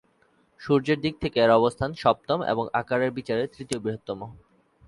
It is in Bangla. সূর্যের দিক থেকে এর অবস্থান সপ্তম এবং আকারের বিচারে তৃতীয় বৃহত্তম।